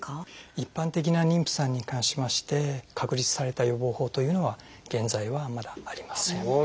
一般的な妊婦さんに関しまして確立された予防法というのは現在はまだありません。